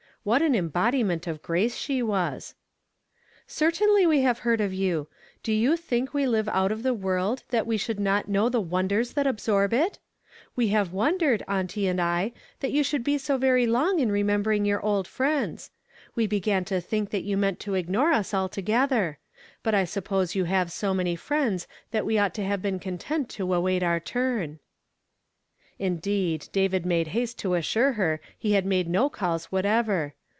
What an embodiment of grace h\u' \v »s !" Certainly \\ e have heard of you I Do you chink we live out of the world that we should not know the wonrtl^rs that absorb it? We have wondered, auntie ann I, tliat you should be so very long in renicnibering your old friends. We began to think that you meant to ignore us altogether; but T suppose you have so many friends that we ought to have been content to await our turn." Indeed, David made haste to assure her he had made no calls whatever.